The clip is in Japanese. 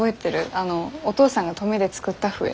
あのお父さんが登米で作った笛。